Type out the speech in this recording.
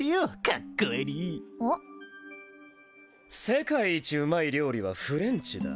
世界一うまい料理はフレンチだ。